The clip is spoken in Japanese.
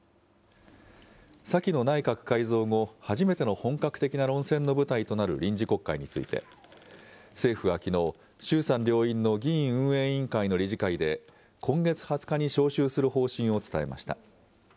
先の内閣改造後、初めての本格的な論戦の舞台となる臨時国会について、政府はきのう、衆参両院の議院運営委員会の理事会で、今月２０日に召集する方針を伝えました。